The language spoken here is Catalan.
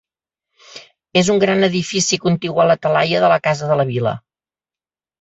És un gran edifici contigu a la Talaia de la Casa de la Vila.